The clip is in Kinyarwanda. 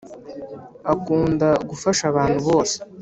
Akunda gufasha abantu bose